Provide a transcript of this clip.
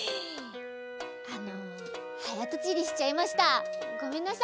あのはやとちりしちゃいました。ごめんなさい！